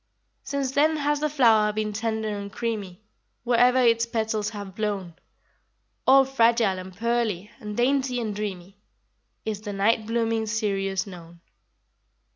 Since then has the flower been tender and creamy, Wherever its petals have blown, All fragile and pearly and dainty and dreamy Is the night blooming cereus known.